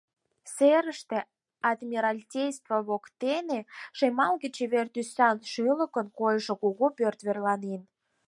Серыште, Адмиралтейство воктене, шемалге-чевер тӱсан шӱлыкын койшо кугу пӧрт верланен.